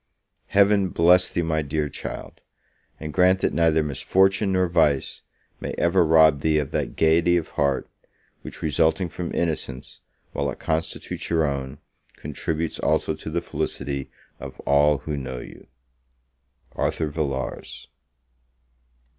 Heaven bless thee, my dear child! And grant that neither misfortune nor vice may ever rob thee of that gaiety of heart, which, resulting from innocence, while it constitutes your own, contributes also to the felicity of all who know you! ARTHUR VILLARS.